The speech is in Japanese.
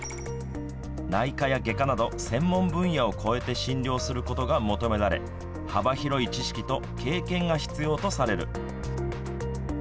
内科や外科など専門分野を超えて診療することが求められ幅広い知識と経験が必要とされる。